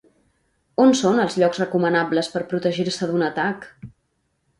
On són els llocs recomanables per protegir-se d'un atac?